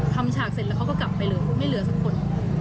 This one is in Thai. ฉากเสร็จแล้วเขาก็กลับไปเลยไม่เหลือสักคน